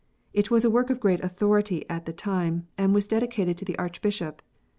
It was a work of great authority at the time, and was dedicated to the Archbishop.